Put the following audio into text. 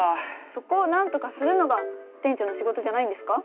そこをなんとかするのが店長の仕事じゃないんですか？